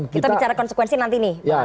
kita bicara konsekuensi nanti nih pak maria